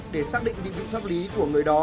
để xác định định vị pháp lý của người